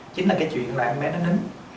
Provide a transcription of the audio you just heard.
chính là cái chuyện là em bé nó nín